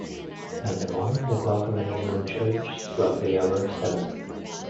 At the moment the clock of a neighbouring church struck the hour of seven.